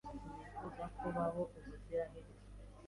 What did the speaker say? sinifuza kubaho ubuziraherezo.